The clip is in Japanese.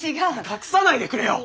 隠さないでくれよ！